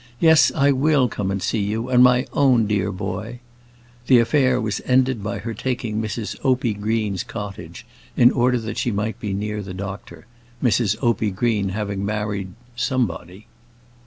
Yes, I will come and see you, and my own dear boy." The affair was ended by her taking Mrs Opie Green's cottage, in order that she might be near the doctor; Mrs Opie Green having married somebody.